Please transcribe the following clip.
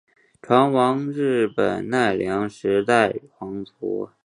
船王日本奈良时代皇族。